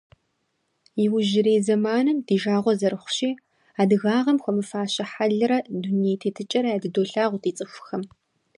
Иужьрей зэманым, ди жагъуэ зэрыхъущи, адыгагъэм хуэмыфащэ хьэлрэ дуней тетыкӀэрэ ядыдолъагъу ди цӏыхухэм.